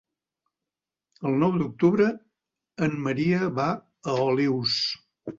El nou d'octubre en Maria va a Olius.